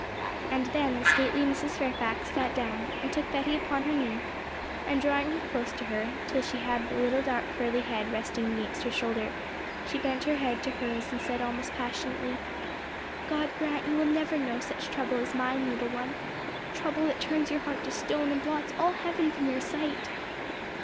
And then the stately Mrs. Fairfax sat down, and took Betty upon her knee; drawing her close to her, till she had the little dark curly head resting against her shoulder, she bent her head to hers, and said, almost passionately, 'God grant you will never know such trouble as mine, little one trouble that turns your heart to stone, and blots all heaven from your sight!'